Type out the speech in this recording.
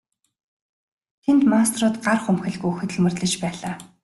Тэнд мастерууд гар хумхилгүй хөдөлмөрлөж байлаа.